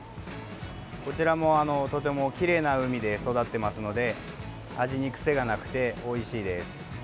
こちらも、とてもきれいな海で育ってますので味に癖がなくておいしいです。